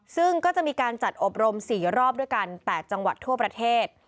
ซึ่งก็จะมีการจัดอบรม๔รอบด้วยกัน๘จังหวัดทั่วประเทศ